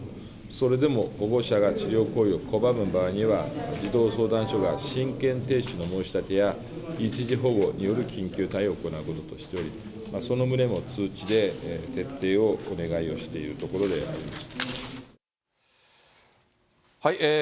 それでも保護者が治療行為を拒む場合には、児童相談所が親権停止の申し立てや、一時保護による緊急対応を行うこととしており、その旨の通知で徹底をお願いをしているところであります。